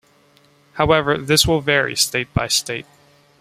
However, this will vary state-by-state.